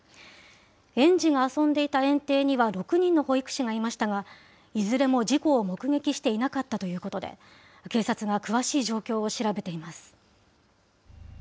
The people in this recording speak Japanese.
園児が遊んでいた園庭には６人の保育士がいましたが、いずれも事故を目撃していなかったということで、警察が詳しい状況を調べています。